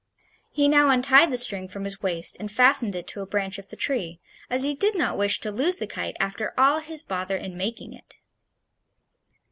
He now untied the string from his waist and fastened it to a branch of the tree, as he did not wish to lose the kite after all his bother in making it.